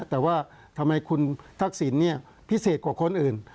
แต่ว่าทำไมคุณทักษิณพิเศษกว่าคนอื่น